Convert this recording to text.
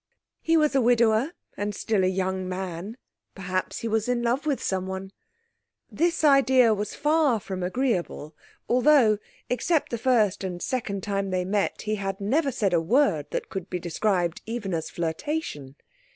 He was a widower; and still a young man. Perhaps he was in love with someone. This idea was far from agreeable, although except the first and second time they met he had never said a word that could be described even as flirtation.